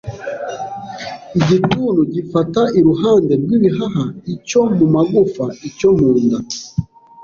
Igituntu gifata iruhande rw’ibihaha, icyo mu magufa, icyo mu nda